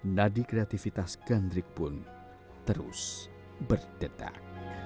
nadi kreativitas gandrik pun terus berdetak